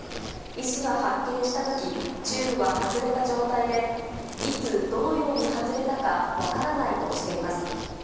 医師が発見したとき、チューブは外れた状態で、いつ、どのように外れたか分からないとしています。